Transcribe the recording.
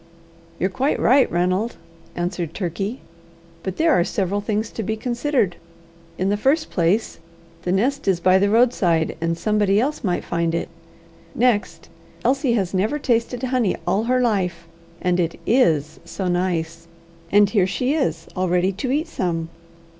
"You're quite right, Ranald," answered Turkey; "but there are several things to be considered. In the first place, the nest is by the roadside, and somebody else might find it. Next, Elsie has never tasted honey all her life, and it is so nice, and here she is, all ready to eat some.